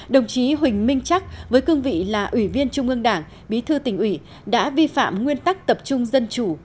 đồng chí huỳnh minh chắc với cương vị là ủy viên trung ương đảng bí thư tỉnh ủy đã vi phạm nguyên tắc tập trung dân chủ